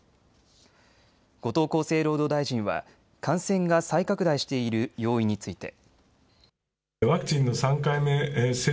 後藤厚生労働大臣は感染が再拡大している要因について。